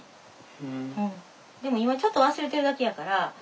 でも今ちょっと忘れてるだけやから。